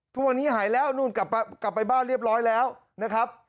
ทุกวันนี้หายแล้วนู่นกลับไปบ้านเรียบร้อยแล้วนะครับ